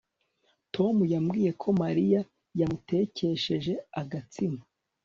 Tom yambwiye ko Mariya yamutekesheje agatsima